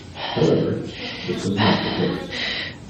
However, this was not the case.